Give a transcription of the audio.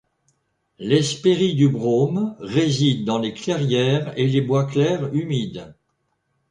L'Hespérie du brome réside dans les clairières et les bois clairs humides.